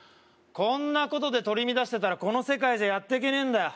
こんなことで取り乱してたらこの世界じゃやってけねえんだよ